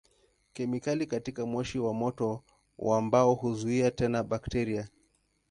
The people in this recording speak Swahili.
Kemikali katika moshi wa moto wa mbao huzuia tena bakteria.